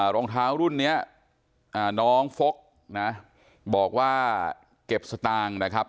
รองเท้ารุ่นนี้น้องฟกนะบอกว่าเก็บสตางค์นะครับ